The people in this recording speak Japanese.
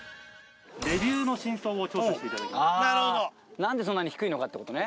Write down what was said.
何でそんなに低いのかって事ね。